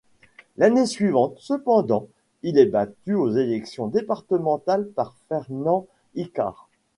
L'année suivante, cependant, il est battu aux élections départementales par Fernand Icart.